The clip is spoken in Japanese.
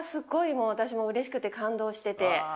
もう私もうれしくて感動してて。